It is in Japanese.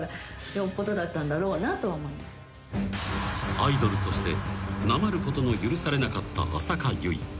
［アイドルとしてなまることの許されなかった浅香唯］